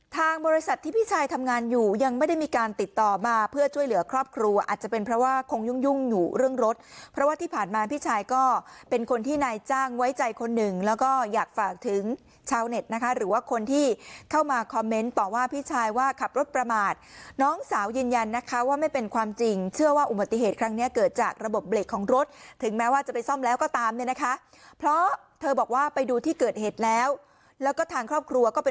ทางบริษัทที่พี่ชัยทำงานอยู่ยังไม่ได้มีการติดต่อมาเพื่อช่วยเหลือครอบครูอาจจะเป็นเพราะว่าคงยุ่งอยู่เรื่องรถเพราะว่าที่ผ่านมาพี่ชัยก็เป็นคนที่นายจ้างไว้ใจคนหนึ่งแล้วก็อยากฝากถึงชาวเน็ตนะคะหรือว่าคนที่เข้ามาคอมเมนต์บอกว่าพี่ชัยว่าขับรถประมาทน้องสาวยินยันนะคะว่าไม่เป็นความจริงเชื่อว่าอุบ